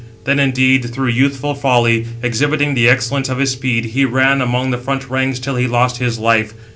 Then, indeed, through youthful folly, exhibiting the excellence of his speed, he ran among the front ranks till he lost his life.